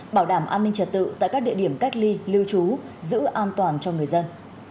bảo đảm an ninh trật tự tại các địa điểm cách ly lưu trú giữ an toàn cho người dân